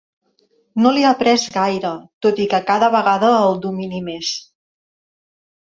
No l’he après gaire, tot i que cada vegada el domini més.